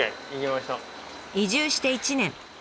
移住して１年。